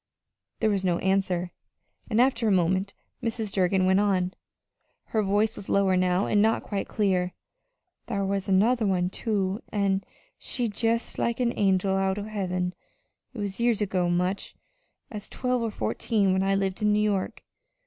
There was no answer, and after a moment Mrs. Durgin went on. Her voice was lower now, and not quite clear. "Thar was another one, too, an' she was jest like a angel out o' heaven. It was years ago much as twelve or fourteen, when I lived in New York.